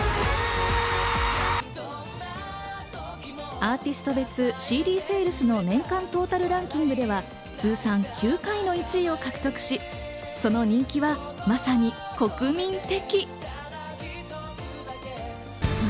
アーティスト別ＣＤセールスの年間トータルランキングでは通算９回の１位を獲得し、その人気はまさに国民的。